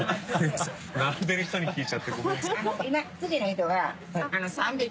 並んでる人に聞いちゃってごめんなさい。